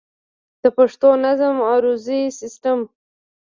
د پښتو نظم عروضي سيسټم